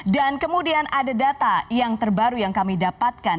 dan kemudian ada data yang terbaru yang kami dapatkan